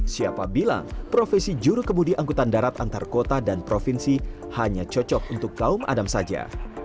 siapa bilang profesi juru kemudi angkutan darat antar kota dan provinsi hanya cocok untuk kaum adam saja